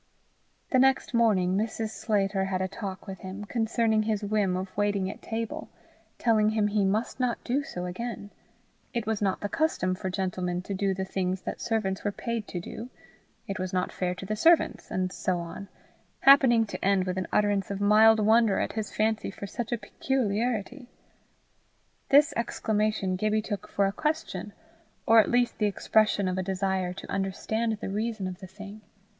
The next morning, Mrs. Sclater had a talk with him concerning his whim of waiting at table, telling him he must not do so again; it was not the custom for gentlemen to do the things that servants were paid to do; it was not fair to the servants, and so on happening to end with an utterance of mild wonder at his fancy for such a peculiarity. This exclamation Gibbie took for a question, or at least the expression of a desire to understand the reason of the thing.